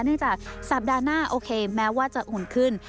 จากสัปดาห์หน้าโอเคแม้ว่าจะอุ่นขึ้น